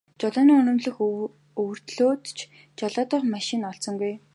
Жолооны үнэмлэх өвөртлөөд ч жолоодох машин нь олдсонгүй.